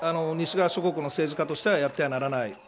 西側諸国の政治家としてはやってはならない。